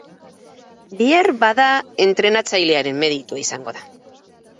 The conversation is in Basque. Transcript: Beharbada entrenatzailearen meritua izango da.